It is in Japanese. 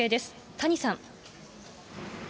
谷さん。